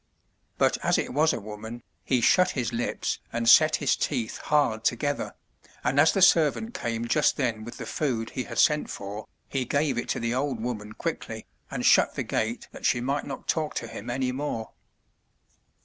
But as it was a woman, he shut his lips and set his teeth hard together, and as the servant came just then with the food he had sent for, he gave it to the old woman quickly, and shut the gate that she might not talk to him any more.